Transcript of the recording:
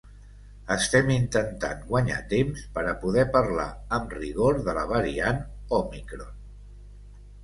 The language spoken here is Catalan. Estem intentant guanyar temps per a poder parlar amb rigor de la variant òmicron.